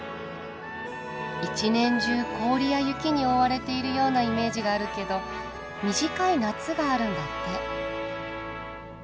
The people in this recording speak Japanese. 一年中氷や雪に覆われているようなイメージがあるけど短い夏があるんだって。